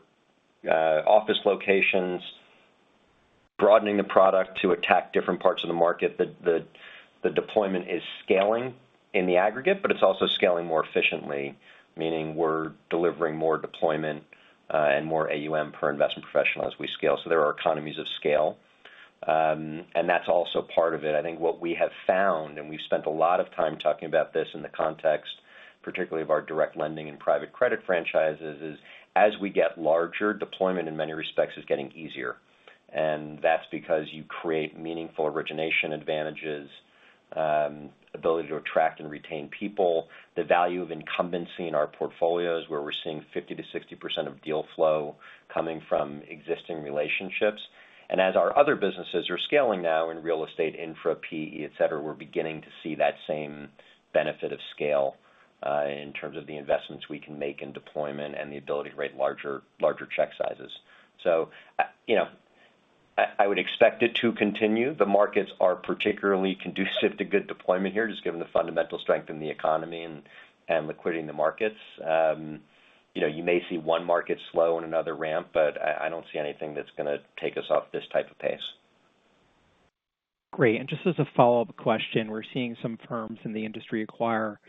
office locations, broadening the product to attack different parts of the market, the deployment is scaling in the aggregate, but it's also scaling more efficiently, meaning we're delivering more deployment and more AUM per investment professional as we scale. There are economies of scale. That's also part of it. I think what we have found, and we've spent a lot of time talking about this in the context, particularly of our direct lending and private credit franchises, is as we get larger, deployment in many respects is getting easier. That's because you create meaningful origination advantages, ability to attract and retain people, the value of incumbency in our portfolios, where we're seeing 50%-60% of deal flow coming from existing relationships. As our other businesses are scaling now in real estate, infra, PE, et cetera, we're beginning to see that same benefit of scale, in terms of the investments we can make in deployment and the ability to write larger check sizes. You know, I would expect it to continue. The markets are particularly conducive to good deployment here, just given the fundamental strength in the economy and liquidity in the markets. You know, you may see one market slow and another ramp, but I don't see anything that's gonna take us off this type of pace. Great. Just as a follow-up question, we're seeing some firms in the industry acquire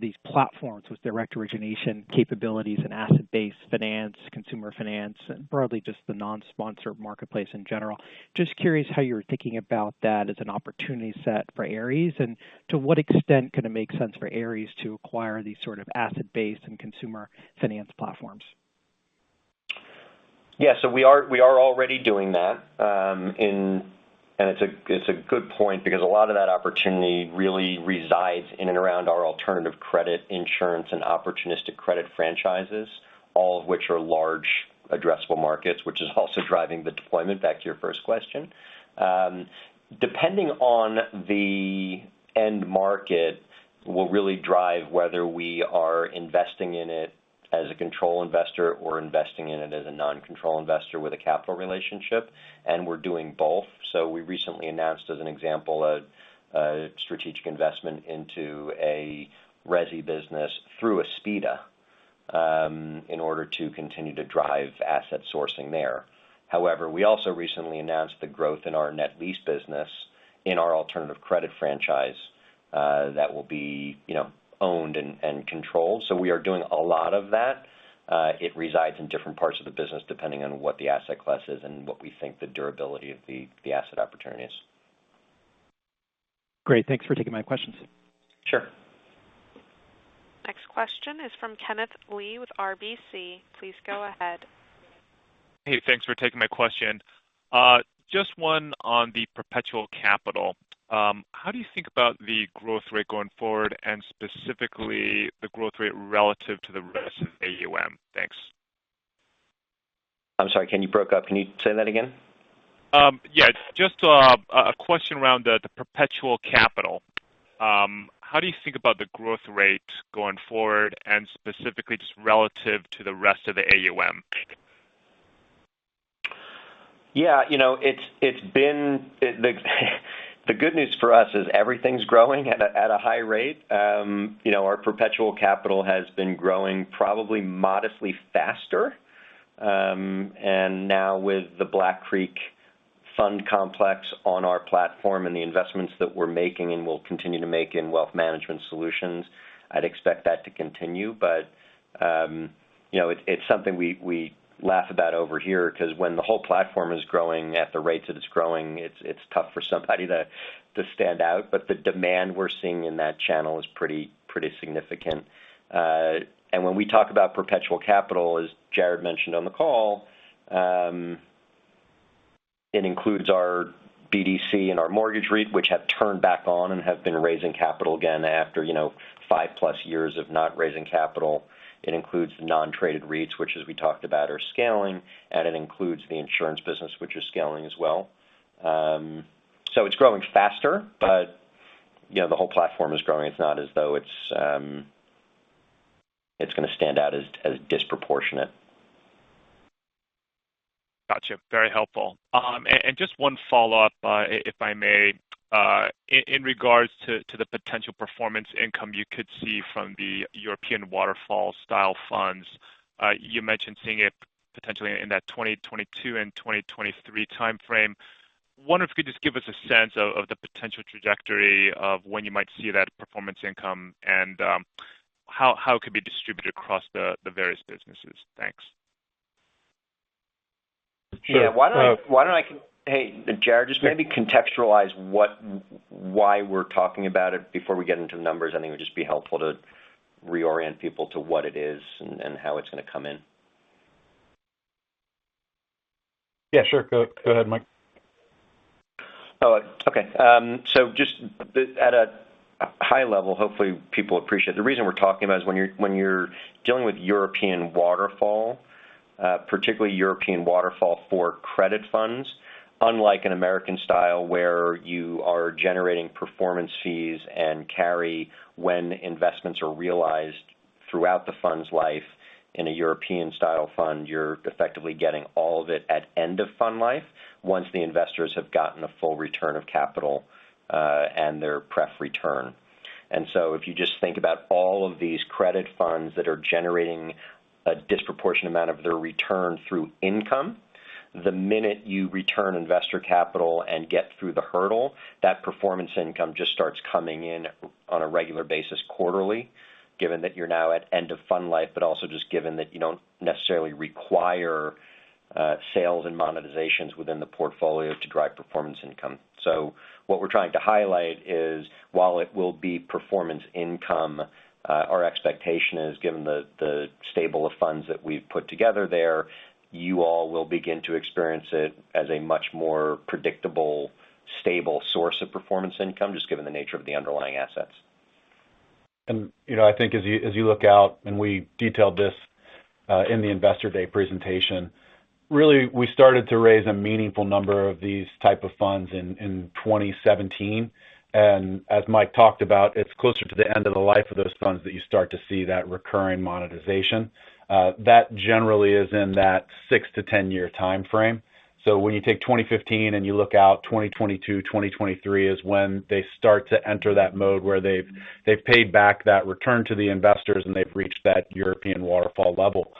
these platforms with direct origination capabilities and asset-based finance, consumer finance, and broadly just the non-sponsor marketplace in general. Just curious how you're thinking about that as an opportunity set for Ares, and to what extent can it make sense for Ares to acquire these sort of asset-based and consumer finance platforms? We are already doing that. It's a good point because a lot of that opportunity really resides in and around our alternative credit, insurance, and opportunistic credit franchises, all of which are large addressable markets, which is also driving the deployment back to your first question. Depending on the end market will really drive whether we are investing in it as a control investor or investing in it as a non control investor with a capital relationship, and we're doing both. We recently announced, as an example, a strategic investment into a resi business through Aspida, in order to continue to drive asset sourcing there. However, we also recently announced the growth in our net lease business in our alternative credit franchise, that will be owned and controlled. We are doing a lot of that. It resides in different parts of the business depending on what the asset class is and what we think the durability of the asset opportunity is. Great. Thanks for taking my questions. Sure. Next question is from Kenneth Lee with RBC. Please go ahead. Hey, thanks for taking my question. Just one on the perpetual capital. How do you think about the growth rate going forward, and specifically the growth rate relative to the rest of AUM? Thanks. I'm sorry. Ken, you broke up. Can you say that again? Yeah. Just a question around the perpetual capital. How do you think about the growth rate going forward, and specifically just relative to the rest of the AUM? Yeah. You know, it's been. The good news for us is everything's growing at a high rate. You know, our perpetual capital has been growing probably modestly faster. Now with the Black Creek fund complex on our platform and the investments that we're making and will continue to make in wealth management solutions, I'd expect that to continue. You know, it's something we laugh about over here, 'cause when the whole platform is growing at the rates that it's growing, it's tough for somebody to stand out. The demand we're seeing in that channel is pretty significant. when we talk about perpetual capital, as Jared mentioned on the call, it includes our BDC and our mortgage REIT, which have turned back on and have been raising capital again after, you know, five plus years of not raising capital. It includes the non-traded REITs, which as we talked about are scaling, and it includes the insurance business, which is scaling as well. It's growing faster, but, you know, the whole platform is growing. It's not as though it's gonna stand out as disproportionate. Gotcha. Very helpful. Just one follow-up, if I may. In regards to the potential performance income you could see from the European waterfall style funds, you mentioned seeing it potentially in that 2022 and 2023 timeframe. Wonder if you could just give us a sense of the potential trajectory of when you might see that performance income and how it could be distributed across the various businesses. Thanks. Yeah. Why don't I. Hey, Jarrod, just maybe contextualize why we're talking about it before we get into numbers. I think it would just be helpful to reorient people to what it is and how it's gonna come in. Yeah, sure. Go ahead, Mike. Okay. At a high level, hopefully people appreciate. The reason we're talking about is when you're dealing with European waterfall, particularly European waterfall for credit funds, unlike an American style where you are generating performance fees and carry when investments are realized. Throughout the fund's life in a European style fund, you're effectively getting all of it at end of fund life once the investors have gotten a full return of capital, and their pref return. If you just think about all of these credit funds that are generating a disproportionate amount of their return through income, the minute you return investor capital and get through the hurdle, that performance income just starts coming in on a regular basis quarterly, given that you're now at end of fund life, but also just given that you don't necessarily require sales and monetizations within the portfolio to drive performance income. What we're trying to highlight is, while it will be performance income, our expectation is, given the stable of funds that we've put together there, you all will begin to experience it as a much more predictable, stable source of performance income, just given the nature of the underlying assets. You know, I think as you look out, and we detailed this in the investor day presentation, really we started to raise a meaningful number of these type of funds in 2017. As Mike talked about, it's closer to the end of the life of those funds that you start to see that recurring monetization. That generally is in that six-10 year timeframe. When you take 2015 and you look out, 2022, 2023 is when they start to enter that mode where they've paid back that return to the investors and they've reached that European waterfall level.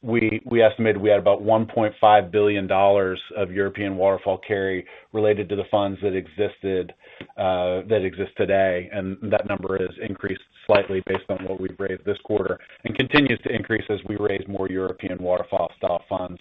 We estimated we had about $1.5 billion of European waterfall carry related to the funds that exist today, and that number has increased slightly based on what we've raised this quarter and continues to increase as we raise more European waterfall style funds.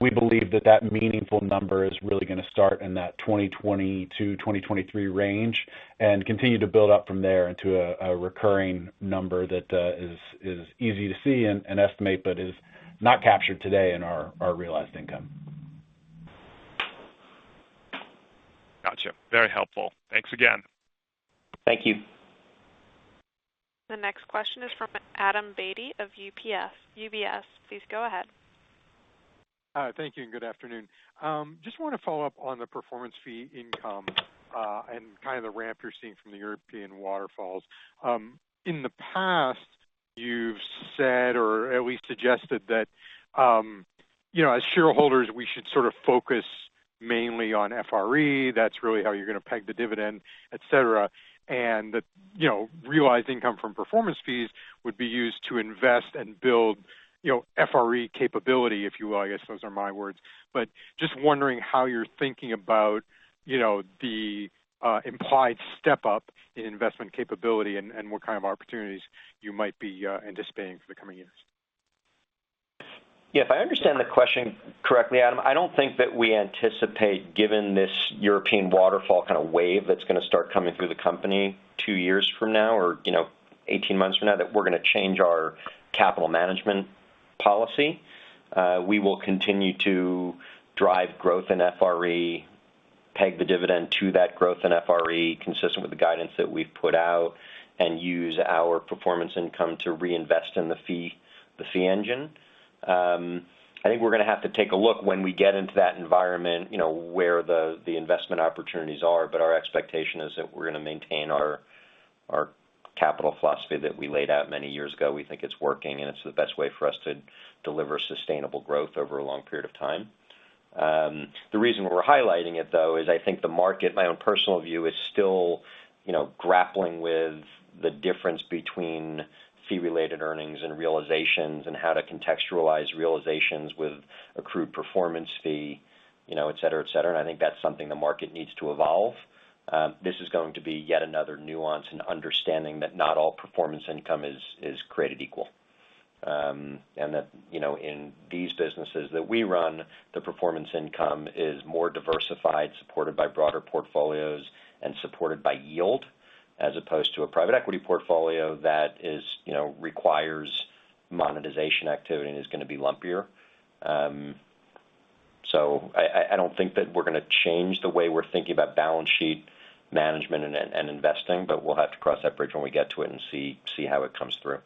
We believe that meaningful number is really gonna start in that 2020 to 2023 range and continue to build up from there into a recurring number that is easy to see and estimate, but is not captured today in our realized income. Gotcha. Very helpful. Thanks again. Thank you. The next question is from Adam Beatty of UBS. Please go ahead. Hi. Thank you, and good afternoon. Just wanna follow up on the performance fee income, and kind of the ramp you're seeing from the European waterfalls. In the past, you've said, or at least suggested that, you know, as shareholders, we should sort of focus mainly on FRE. That's really how you're gonna peg the dividend, et cetera. That, you know, realized income from performance fees would be used to invest and build, you know, FRE capability, if you will. I guess those aren't my words. Just wondering how you're thinking about, you know, the implied step up in investment capability and what kind of opportunities you might be anticipating for the coming years. Yeah, if I understand the question correctly, Adam, I don't think that we anticipate, given this European waterfall kind of wave that's gonna start coming through the company two years from now or, you know, 18 months from now, that we're gonna change our capital management policy. We will continue to drive growth in FRE, peg the dividend to that growth in FRE consistent with the guidance that we've put out, and use our performance income to reinvest in the fee, the fee engine. I think we're gonna have to take a look when we get into that environment, you know, where the investment opportunities are, but our expectation is that we're gonna maintain our capital philosophy that we laid out many years ago. We think it's working, and it's the best way for us to deliver sustainable growth over a long period of time. The reason we're highlighting it, though, is I think the market, my own personal view is still, you know, grappling with the difference between fee-related earnings and realizations and how to contextualize realizations with accrued performance fee, you know, et cetera, et cetera. I think that's something the market needs to evolve. This is going to be yet another nuance in understanding that not all performance income is created equal, that, you know, in these businesses that we run, the performance income is more diversified, supported by broader portfolios and supported by yield as opposed to a private equity portfolio that is, you know, requires monetization activity and is gonna be lumpier. I don't think that we're gonna change the way we're thinking about balance sheet management and investing, but we'll have to cross that bridge when we get to it and see how it comes through.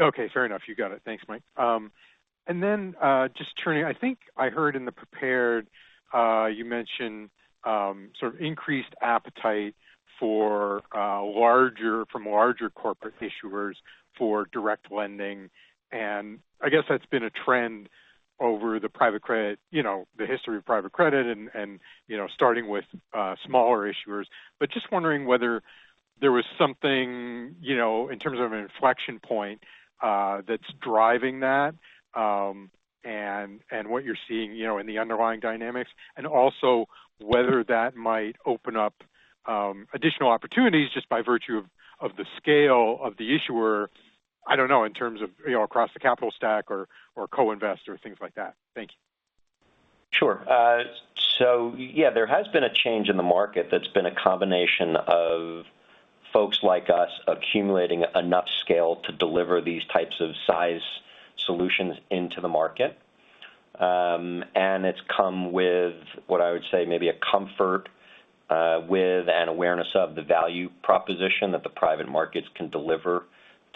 Okay. Fair enough. You got it. Thanks, Mike. Just turning, I think I heard in the prepared you mentioned sort of increased appetite for larger, from larger corporate issuers for direct lending. I guess that's been a trend over the private credit, you know, the history of private credit and you know, starting with smaller issuers. Just wondering whether there was something, you know, in terms of an inflection point that's driving that and what you're seeing, you know, in the underlying dynamics and also whether that might open up additional opportunities just by virtue of the scale of the issuer, I don't know, in terms of, you know, across the capital stack or co-invest or things like that. Thank you. Sure. Yeah, there has been a change in the market that's been a combination of folks like us accumulating enough scale to deliver these types of size solutions into the market. It's come with what I would say maybe a comfort with and awareness of the value proposition that the private markets can deliver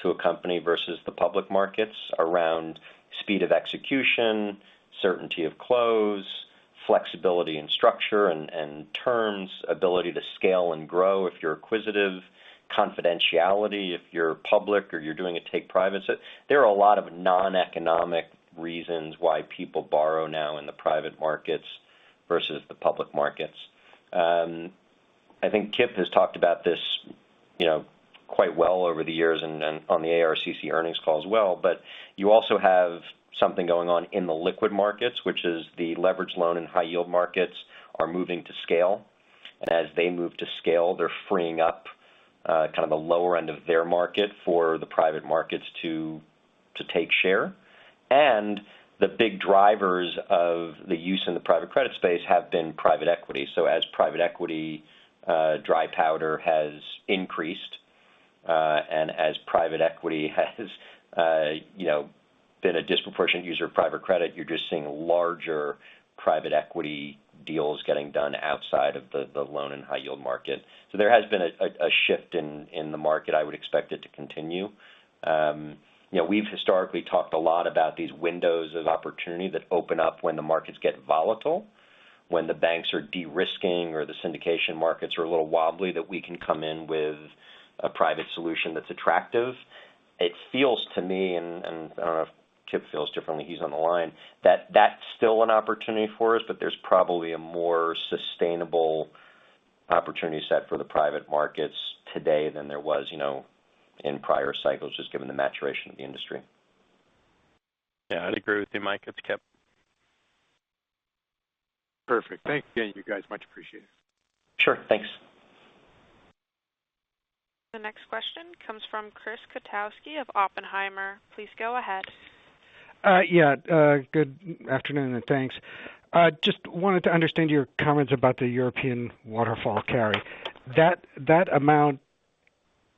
to a company versus the public markets around speed of execution, certainty of close, flexibility and structure and terms, ability to scale and grow if you're acquisitive, confidentiality if you're public or you're doing a take private. There are a lot of non-economic reasons why people borrow now in the private markets versus the public markets. I think Kip has talked about this, you know, quite well over the years and on the ARCC earnings call as well. You also have something going on in the liquid markets, which is the leveraged loan and high-yield markets are moving to scale. As they move to scale, they're freeing up kind of the lower end of their market for the private markets to take share. The big drivers of the use in the private credit space have been private equity. As private equity dry powder has increased, and as private equity has you know been a disproportionate user of private credit, you're just seeing larger private equity deals getting done outside of the loan and high-yield market. There has been a shift in the market. I would expect it to continue. You know, we've historically talked a lot about these windows of opportunity that open up when the markets get volatile, when the banks are de-risking or the syndication markets are a little wobbly, that we can come in with a private solution that's attractive. It feels to me, and I don't know if Kip feels differently, he's on the line, that that's still an opportunity for us, but there's probably a more sustainable opportunity set for the private markets today than there was, you know, in prior cycles, just given the maturation of the industry. Yeah, I'd agree with you, Mike. It's Kip. Perfect. Thank you guys, much appreciated. Sure. Thanks. The next question comes from Chris Kotowski of Oppenheimer. Please go ahead. Good afternoon, and thanks. Just wanted to understand your comments about the European waterfall carry. That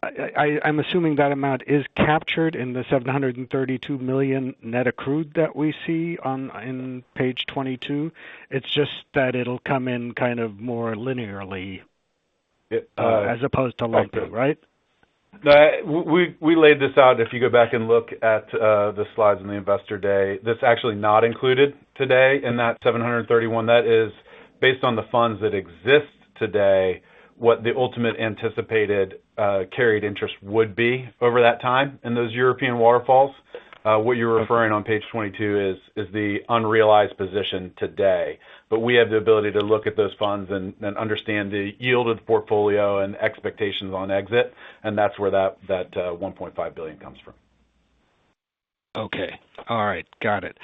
amount... I'm assuming that amount is captured in the $732 million net accrued that we see in page 22. It's just that it'll come in kind of more linearly as opposed to lumping, right? We laid this out. If you go back and look at the slides in the Investor Day, that's actually not included today in that 731. That is based on the funds that exist today, what the ultimate anticipated carried interest would be over that time in those European waterfalls. What you're referring to on page 22 is the unrealized position today. We have the ability to look at those funds and understand the yielded portfolio and expectations on exit, and that's where that $1.5 billion comes from. Okay. All right. Got it.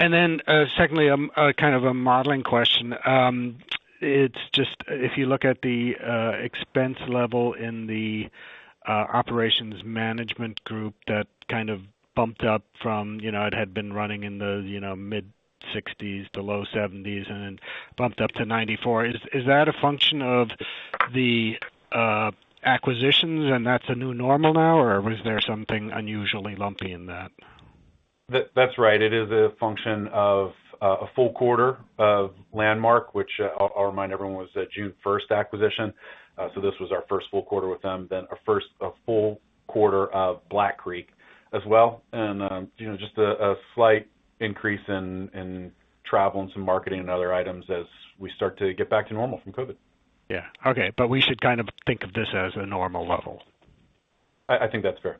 Secondly, kind of a modeling question. It's just if you look at the expense level in the operations management group that kind of bumped up from, you know, it had been running in the, you know, mid-$60s to low $70s and then bumped up to $94. Is that a function of the acquisitions, and that's a new normal now, or was there something unusually lumpy in that? That's right. It is a function of a full quarter of Landmark, which I'll remind everyone was a June first acquisition. This was our first full quarter with them, then a full quarter of Black Creek as well. You know, just a slight increase in travel and some marketing and other items as we start to get back to normal from COVID. Yeah. Okay, we should kind of think of this as a normal level. I think that's fair.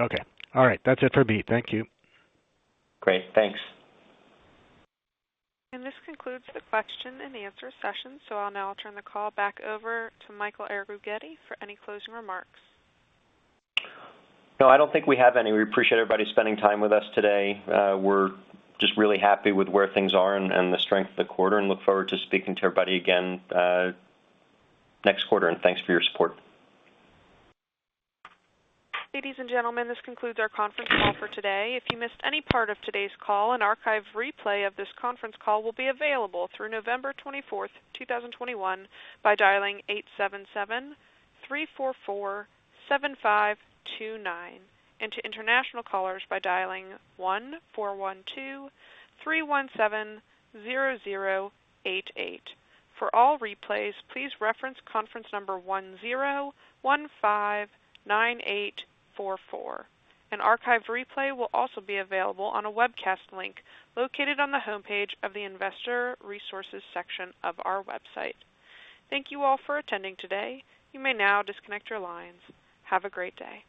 Okay. All right. That's it for me. Thank you. Great. Thanks. This concludes the question and answer session. I'll now turn the call back over to Michael Arougheti for any closing remarks. No, I don't think we have any. We appreciate everybody spending time with us today. We're just really happy with where things are and the strength of the quarter, and look forward to speaking to everybody again, next quarter. Thanks for your support. Ladies and gentlemen, this concludes our conference call for today. If you missed any part of today's call, an archived replay of this conference call will be available through November 24, 2021 by dialing 877-344-7529, and to international callers by dialing 1-412-317-0088. For all replays, please reference conference number 10159844. An archived replay will also be available on a webcast link located on the homepage of the Investor Resources section of our website. Thank you all for attending today. You may now disconnect your lines. Have a great day.